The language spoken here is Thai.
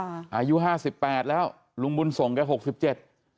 อายุห้าสิบแปดแล้วลุงบุญส่งแกหกสิบเจ็ด